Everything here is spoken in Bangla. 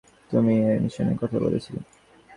তুমিই এই মিশনের কথা বলেছিলে।